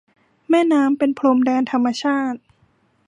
แม่น้ำเป็นพรมแดนธรรมชาติ